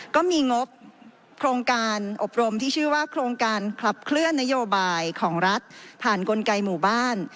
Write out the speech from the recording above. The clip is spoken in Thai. ก็มีงบโครงการอบรมที่ชื่อว่าโครงการขับเคลื่อนนโยบายของรัฐผ่านกลไกหมู่บ้าน